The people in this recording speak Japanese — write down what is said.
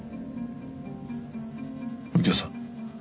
右京さん